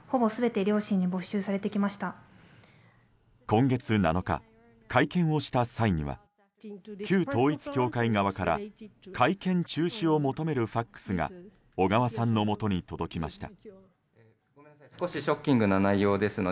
今月７日、会見をした際には旧統一教会側から会見中止を求めるＦＡＸが小川さんのもとに届きました。